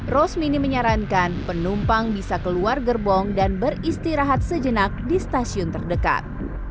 rosmini menyarankan penumpang bisa keluar gerbong dan beristirahat sejenak di stasiun terdekat